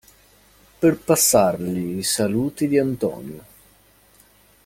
Per passargli i saluti di Antonio.